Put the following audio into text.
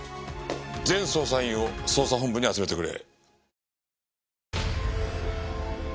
全捜査員を捜査本部に集めてくれ。